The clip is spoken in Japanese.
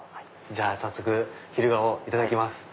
じゃあ早速昼顔いただきます。